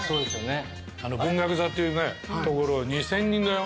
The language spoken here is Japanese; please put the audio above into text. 文学座っていう所２，０００人だよ。